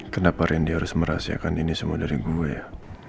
kenapa rendy harus merahsiakan ini semua dari gue ya